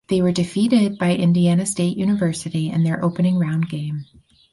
They were defeated by Indiana State University in their opening round game.